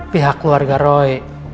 pihak keluarga roy